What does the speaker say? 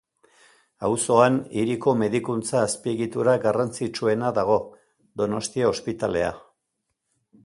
Auzoan, hiriko medikuntza azpiegitura garrantzitsuena dago, Donostia Ospitalea.